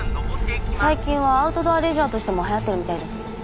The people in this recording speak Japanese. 最近はアウトドアレジャーとしても流行ってるみたいです。